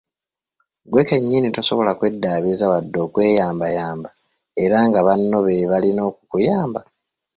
Ggwe kennyini tosobola kweddaabiriza wadde okweyambayamba era nga banno beebalina okukuyamba.